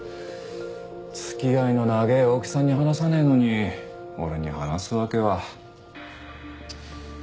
付き合いの長え大木さんに話さねえのに俺に話すわけは。